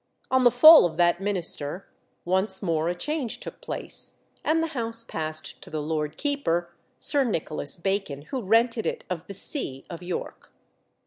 On the fall of that minister, once more a change took place, and the house passed to the Lord Keeper, Sir Nicholas Bacon, who rented it of the see of York.